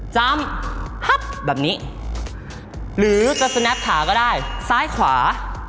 จำพับแบบนี้หรือจะสแนปขาก็ได้ซ้ายขวา